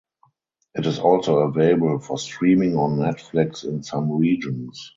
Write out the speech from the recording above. It is also available for streaming on Netflix in some regions.